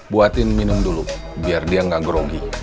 buatin minum dulu biar dia nggak grogi